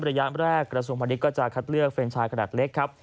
ระยะแรกกระทรวงพาณิชย์ก็จะคัดเลือกเฟรนชายขนาดเล็กครับ